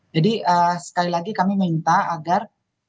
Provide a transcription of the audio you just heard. jadi sekali lagi kami minta agar